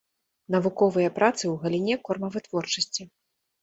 Навуковыя працы ў галіне кормавытворчасці.